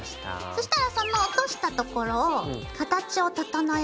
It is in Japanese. そしたらその落としたところを形を整えます。